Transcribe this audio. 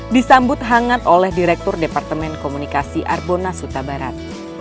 disambut hangat oleh direktur departemen komunikasi arbona suta barat